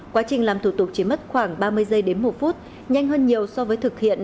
quá trình làm thủ tục chỉ mất khoảng ba mươi giây đến một phút nhanh hơn nhiều so với thực hiện